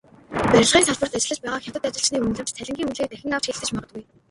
Барилгын салбарт ажиллаж байгаа хятад ажилчны үнэлэмж, цалингийн үнэлгээг дахин авч хэлэлцэж магадгүй.